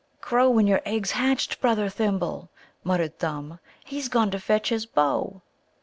"Crow when your egg's hatched, brother Thimble," muttered Thumb. "He's gone to fetch his bow."